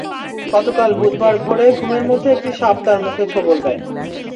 গতকাল বুধবার ভোরে ঘুমের মধ্যে একটি সাপ তার মুখে ছোবল দেয়।